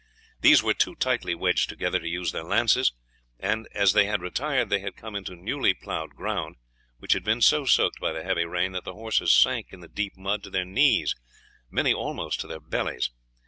These were too tightly wedged together to use their lances, and as they had retired they had come into newly ploughed ground, which had been so soaked by the heavy rain that the horses sank in the deep mud to their knees, many almost to their bellies.